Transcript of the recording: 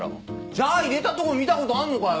じゃあ入れたとこ見たことあんのかよ。